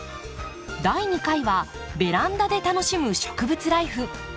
第２回はベランダで楽しむ植物ライフ。